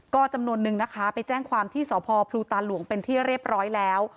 ก็จำนวนนึงนะคะไปแจ้งความที่สพพลูตาหลวงเป็นที่เรียบร้อยแล้ว